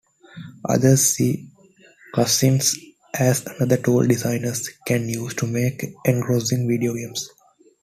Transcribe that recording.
Others see cutscenes as another tool designers can use to make engrossing video games.